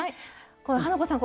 花子さん